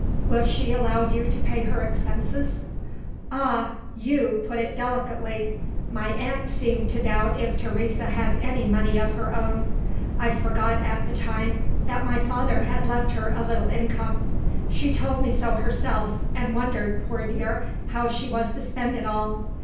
"Will she allow you to pay her expenses?" "Ah, you put it delicately! My aunt seemed to doubt if Teresa had any money of her own. I forgot, at the time, that my father had left her a little income. She told me so herself, and wondered, poor dear, how she was to spend it all.